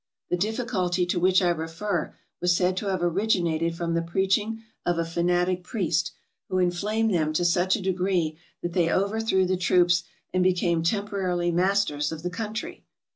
The difficulty to which I refer was said to have originated from the preaching of a fanatic priest, who inflamed them to such a degree that they overthrew the troops and became temporarily masters of the country.